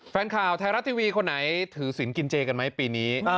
แฟนข่าวไทยรัฐทีวีคนไหนถือศิลปกินเจกันไหมปีนี้